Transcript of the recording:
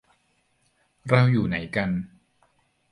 เราอยู่ไหนกัน